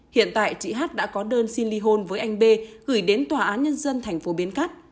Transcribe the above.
hiện tại chị hát đã có đơn xin ly hôn với anh b gửi đến tòa án nhân dân thành phố bến cát